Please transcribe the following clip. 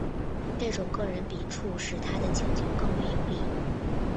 这种个人笔触使他的请求更为有力。